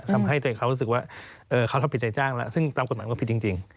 ทำให้ตัวเองเขารู้สึกว่าเขาทำผิดใจจ้างแล้วซึ่งตามกฎหมายก็ผิดจริง